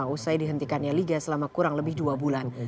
usai dihentikannya liga selama kurang lebih dua bulan